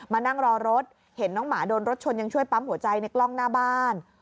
มานั่งรอรถเห็นน้องหมาโดนรถชนยังช่วยปั๊มหัวใจในกล้องหน้าบ้าน